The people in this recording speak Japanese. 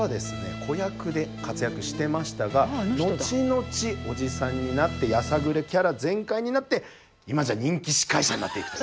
子役で活躍してましたが後々おじさんになってやさぐれキャラ全開になって今じゃ人気司会者になっていると。